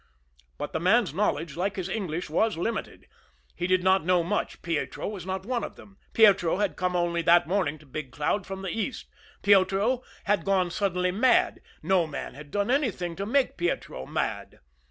But the man's knowledge, like his English, was limited. He did not know much Pietro was not one of them Pietro had come only that morning to Big Cloud from the East Pietro had gone suddenly mad no man had done anything to make Pietro mad.